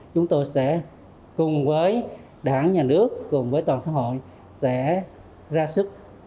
chúng tôi sẽ cùng với đảng nhà nước cùng với toàn xã hội sẽ ra sức